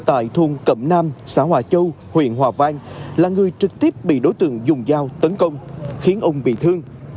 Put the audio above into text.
tại thôn cẩm nam xã hòa châu huyện hòa vang là người trực tiếp bị đối tượng dùng dao tấn công khiến ung bị thương